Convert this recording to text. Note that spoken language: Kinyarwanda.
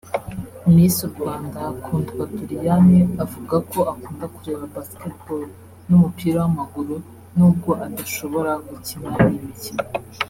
Miss Rwanda Kundwa Doriane avuga ko akunda kureba Basketball n’umupira w’amaguru nubwo adashobora gukina iyi mikino